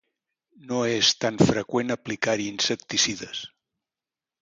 No és tan freqüent aplicar-hi insecticides.